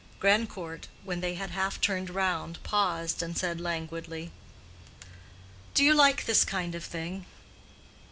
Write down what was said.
Grandcourt, when they had half turned round, paused and said languidly, "Do you like this kind of thing?"